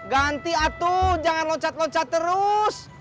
ganti atuh jangan loncat loncat terus